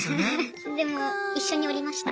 でも一緒に折りました。